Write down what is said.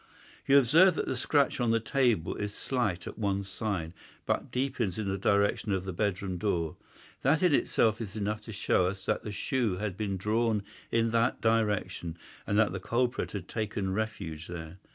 You observe that the scratch on that table is slight at one side, but deepens in the direction of the bedroom door. That in itself is enough to show us that the shoe had been drawn in that direction and that the culprit had taken refuge there.